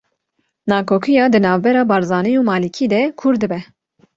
Nakokiya di navbera Barzanî û Malikî de kûr dibe